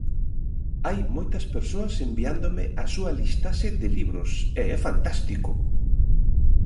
Hai moitas persoas enviándome a súa listaxe de libros e é fantástico.